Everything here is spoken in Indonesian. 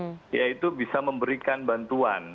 yang pertama tidak bisa memberikan bantuan